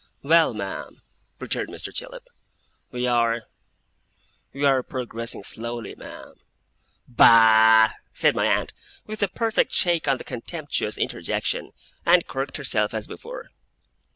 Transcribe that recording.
'Well, ma'am,' returned Mr. Chillip, 'we are we are progressing slowly, ma'am.' 'Ba a ah!' said my aunt, with a perfect shake on the contemptuous interjection. And corked herself as before.